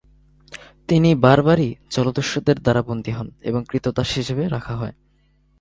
তিনি বারবারি জলদস্যুদের দ্বারা বন্দী হন এবং ক্রীতদাস হিসেবে রাখা হয়।